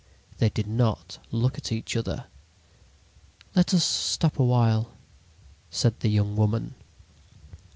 They did not look at each other. "Let us stop a while," said the young woman.